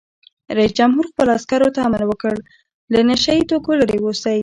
رئیس جمهور خپلو عسکرو ته امر وکړ؛ له نشه یي توکو لرې اوسئ!